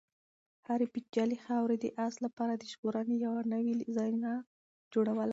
هرې بیلچې خاورې د آس لپاره د ژغورنې یوه نوې زینه جوړوله.